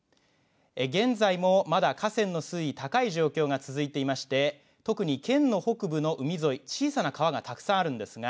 現在もまだ河川の水位高い状況が続いていまして特に県の北部の海沿い小さな川がたくさんあるんですが